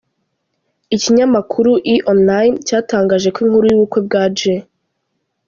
Ikinyamakuru E!Online cyatangaje ko inkuru y’ubukwe bwa J.